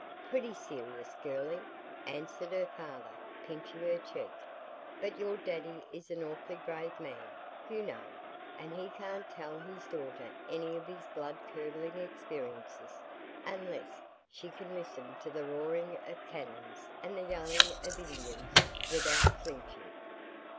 "Pretty serious, girlie," answered her father, pinching her cheek; "but your daddy is an awfully brave man, you know, and he can't tell his daughter any of his blood curdling experiences unless she can listen to the roaring of cannons and the yelling of Indians without flinching."